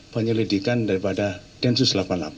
penyelidikan daripada densus delapan puluh delapan